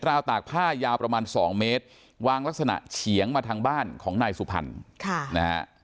วตากผ้ายาวประมาณสองเมตรวางลักษณะเฉียงมาทางบ้านของนายสุพรรณค่ะนะฮะ